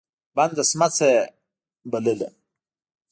بنده سمڅه يې بلله.